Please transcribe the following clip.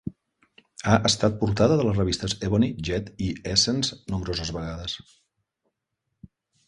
Ha estat portada de les revistes "Ebony", "Jet" i "Essence" nombroses vegades.